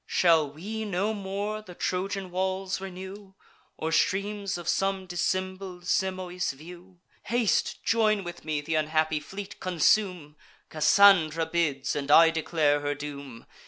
Shall we no more the Trojan walls renew, Or streams of some dissembled Simois view! Haste, join with me, th' unhappy fleet consume! Cassandra bids; and I declare her doom.